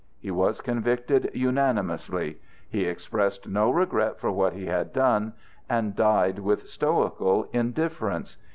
He was convicted unanimously. He expressed no regret for what he had done, and died with stoical indifference.